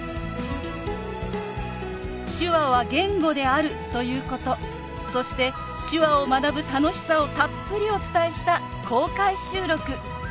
手話は言語であるということそして手話を学ぶ楽しさをたっぷりお伝えした公開収録。